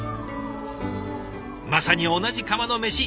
まさに同じ釜のメシ。